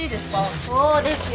そうですよ。